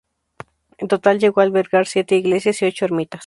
En total llegó a albergar siete iglesias y ocho ermitas.